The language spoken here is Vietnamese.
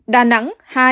đà nẵng hai